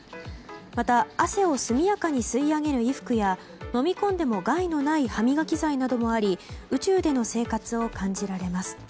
また、汗を速やかに吸い上げる衣服や、飲み込んでも害のない歯磨き剤などもあり宇宙での生活を感じられます。